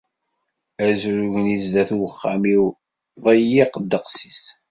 Azrug-nni zdat uxxam-iw deyyiq ddeqs-is.